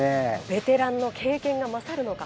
ベテランの経験がまさるのか。